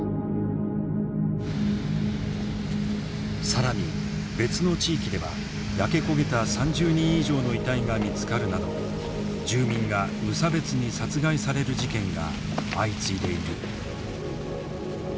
更に別の地域では焼け焦げた３０人以上の遺体が見つかるなど住民が無差別に殺害される事件が相次いでいる。